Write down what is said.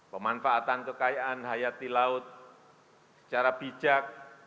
pemanfaatan kekayaan hayati laut secara bijak